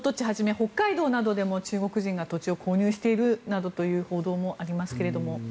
北海道でも中国人が土地を購入しているなどという報道がありますが。